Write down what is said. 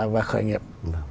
và khởi nghiệp